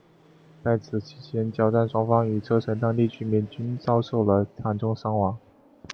在此期间交战双方与车臣当地居民均遭受了惨重伤亡。